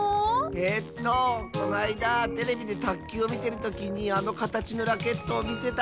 えっとこないだテレビでたっきゅうをみてるときにあのかたちのラケットをみてたんだよ。